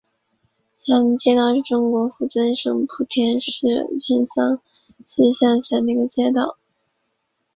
霞林街道是中国福建省莆田市城厢区下辖的一个街道。